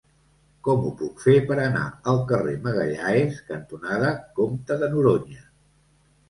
Com ho puc fer per anar al carrer Magalhães cantonada Comte de Noroña?